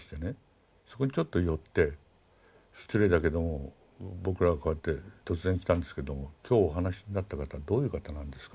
そこにちょっと寄って失礼だけども僕らはこうやって突然来たんですけども今日お話しになった方どういう方なんですかと。